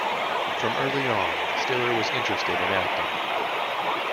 From early on, Stiller was interested in acting.